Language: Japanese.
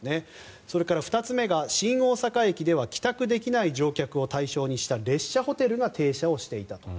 それから２つ目が新大阪駅では帰宅できない乗客を対象にした列車ホテルが停車をしていたと。